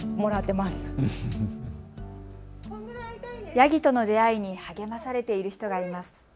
ヤギとの出会いに励まされている人がいます。